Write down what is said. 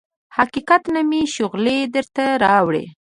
حقیقت نه مې شغلې درته راوړي